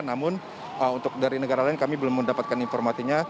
namun untuk dari negara lain kami belum mendapatkan informasinya